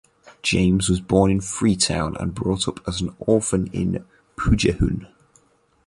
James was born in Freetown and brought up as an orphan in Pujehun.